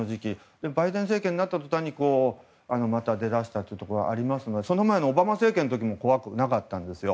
バイデン政権になった途端にまた出だしたところがあるのでその前のオバマ政権の時も怖くなかったんですよ。